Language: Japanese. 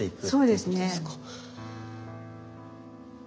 そうですね。